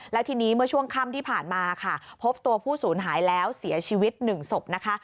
แล้วทีนี้เมื่อช่วงค่ำที่ผ่านมาค่ะพบตัวผู้สูญหายแล้วเสียชีวิต๑ศพนะคะ